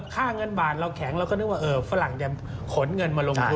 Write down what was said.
ค่าเงินบาทเราแข็งเราก็นึกว่าฝรั่งจะขนเงินมาลงทุน